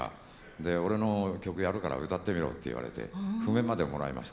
で俺の曲やるから歌ってみろって言われて譜面までもらいました。